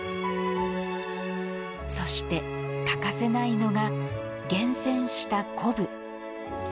そして欠かせないのが厳選した昆布。